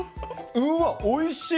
うわおいしい！